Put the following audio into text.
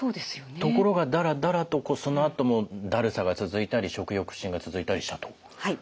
ところがダラダラとそのあともだるさが続いたり食欲不振が続いたりしたということなんですね。